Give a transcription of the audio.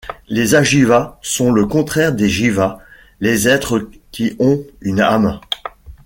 Les ajivas sont le contraire des jivas: les êtres qui ont une âme.